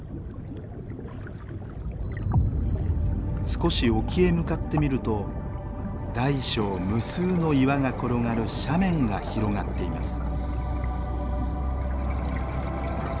少し沖へ向かってみると大小無数の岩が転がる斜面が広がっています。